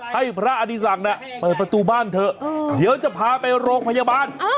ให้พระอดีศักดิ์เปิดประตูบ้านเถอะเดี๋ยวจะพาไปโรงพยาบาล